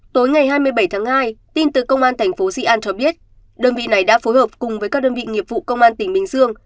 tối ngày hai mươi bảy tháng hai tin từ công an thành phố di an cho biết đơn vị này đã phối hợp cùng với các đơn vị nghiệp vụ công an tỉnh bình dương